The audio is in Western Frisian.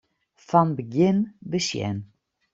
Fan begjin besjen.